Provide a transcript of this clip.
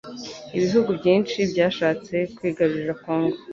ibihugu byinshi byashatse kwigarurira Congo.